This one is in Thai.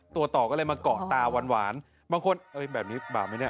ตัวต่อก็เลยมาเกาะตาหวานบางคนแบบนี้บาปไหมเนี่ย